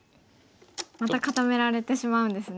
また固められてしまうんですね。